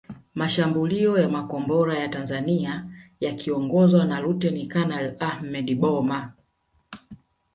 Mashambulio ya makombora ya Tanzania yakiongozwa na Luteni Kanali Ahmed Boma